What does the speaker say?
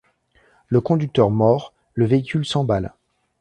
Le conducteur mort, le véhicule s'emballe.